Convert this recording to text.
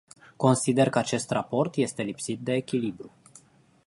Consider că acest raport este lipsit de echilibru.